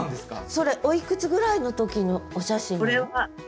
それおいくつぐらいの時のお写真なの？